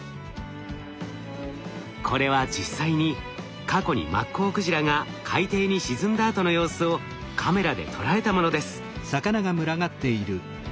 これは実際に過去にマッコウクジラが海底に沈んだあとの様子をカメラで捉えたものです。